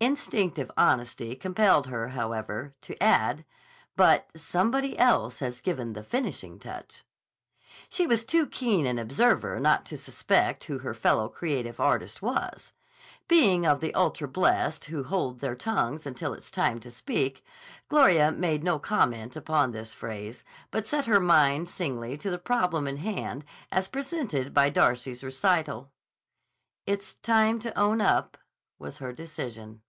Instinctive honesty compelled her, however, to add: "But somebody else has given the finishing touch." She was too keen an observer not to suspect who her fellow creative artist was. Being of the ultra blessed who hold their tongues until it is time to speak, Gloria made no comment upon this phase, but set her mind singly to the problem in hand as presented by Darcy's recital. "It's time to own up," was her decision.